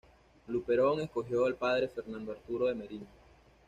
Luperón escogió al padre Fernando Arturo de Meriño.